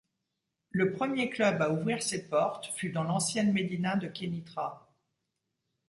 Le premier club à ouvrir ses portes fut dans l'ancienne Médina de Kénitra.